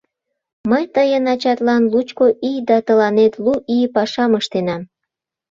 — Мый тыйын ачатлан лучко ий да тыланет лу ий пашам ыштенам.